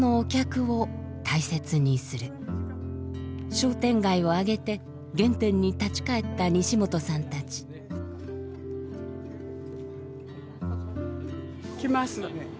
商店街を挙げて原点に立ち返った西本さんたち。来ます。